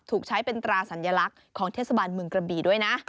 ถูกใช้เป็นตราสัญลักษณ์ของเทศบาลเมืองกระบีด้วยนะ